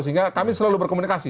sehingga kami selalu berkomunikasi